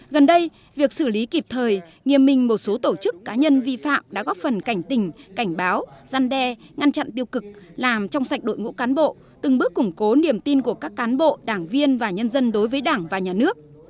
gần đây việc xử lý kịp thời nghiêm minh một số tổ chức cá nhân vi phạm đã góp phần cảnh tình cảnh báo gian đe ngăn chặn tiêu cực làm trong sạch đội ngũ cán bộ từng bước củng cố niềm tin của các cán bộ đảng viên và nhân dân đối với đảng và nhà nước